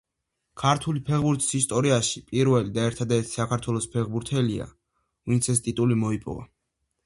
ქართული ფეხბურთის ისტორიაში პირველი და ერთადერთი ქართველი ფეხბურთელია, ვინც ეს ტიტული მოიპოვა.